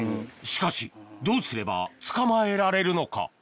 しかしどうすれば捕まえられるのか？